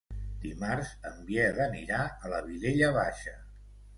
Dimarts en Biel anirà a la Vilella Baixa.